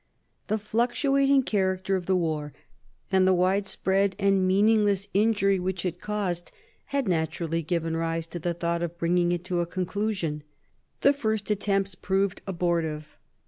The fluctuating character of the war and the wide spread and meaningless injury which it caused had 1 1745 48 WAR OF SUCCESSION 51 naturally given rise to the thought of bringing it to a conclusion. The first attempts proved abortive.